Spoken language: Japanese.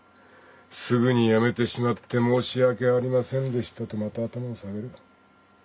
すぐに辞めてしまって申し訳ありませんでしたとまた頭を下げる。